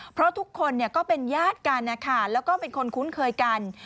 เพราะทุกคนก็เป็นญาติกันนะคะแล้วก็เป็นคนคุ้นเคยกัน